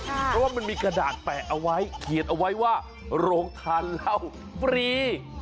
เพราะว่ามันมีกระดาษแปะเอาไว้เขียนเอาไว้ว่าโรงทานเหล้าฟรี